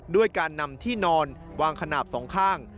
ด้วยการนำที่นอนวางขนาดสองข้าง